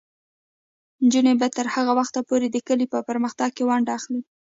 نجونې به تر هغه وخته پورې د کلي په پرمختګ کې ونډه اخلي.